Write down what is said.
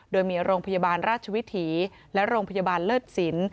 โดยมีโรงพยาบาลราชวิถีและโรงพยาบาลเลิศสิน